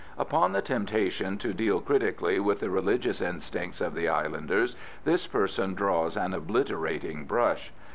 Upon the temptation to deal critically with the religious instincts of the islanders this person draws an obliterating brush.